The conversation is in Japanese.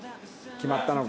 決まったのか？